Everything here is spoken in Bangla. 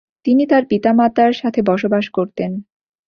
তিনি তার পিতামাতার সাথে বসবাস করতেন।